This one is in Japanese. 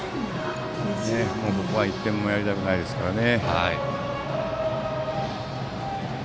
ここは１点もやりたくないですからね。